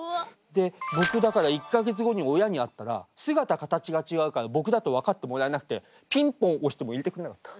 で僕だから１か月後に親に会ったら姿形が違うから僕だと分かってもらえなくてピンポン押しても入れてくれなかった。